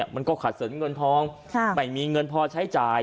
มันก็ขัดสนเงินทองไม่มีเงินพอใช้จ่าย